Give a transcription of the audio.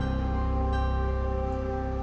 aku nungguin adem